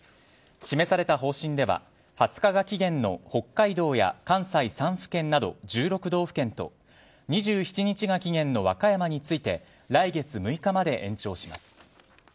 示された方針では２０日が期限の北海道や関西３府県など１６道府県と２７日が期限の和歌山について来月６日まで延長します。